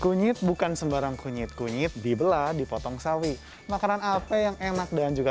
kunyit bukan sembarang kunyit kunyit dibelah dipotong sawi makanan apa yang enak dan juga